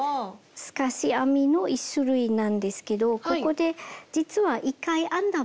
透かし編みの１種類なんですけどここで実は１回編んだ目をほどいて作ります。